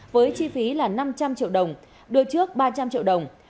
với chi phí là năm trăm linh triệu đồng đưa trước ba trăm linh triệu đồng